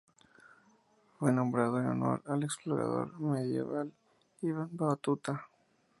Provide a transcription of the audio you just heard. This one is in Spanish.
Fue nombrado en honor al explorador medieval Ibn Battuta.